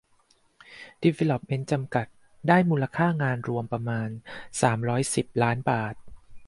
ดีเวลล็อปเมนต์ จำกัด ได้มูลค่างานรวมประมาณ สามร้อยสิบ ล้านบาท